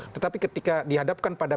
tetapi ketika dihadapkan pada